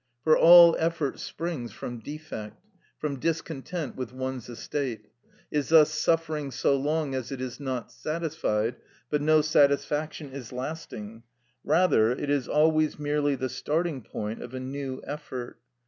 For all effort springs from defect—from discontent with one's estate—is thus suffering so long as it is not satisfied; but no satisfaction is lasting, rather it is always merely the starting point of a new effort.